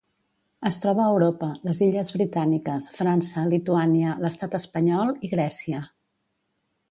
Es troba a Europa: les illes Britàniques, França, Lituània, l'Estat espanyol i Grècia.